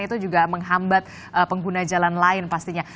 itu juga menghambat pengguna jalan lain pastinya